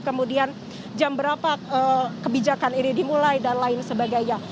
kemudian jam berapa kebijakan ini dimulai dan lain sebagainya